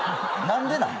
何でなん？